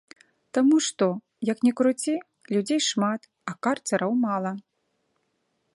Таму што, як ні круці, людзей шмат, а карцараў мала.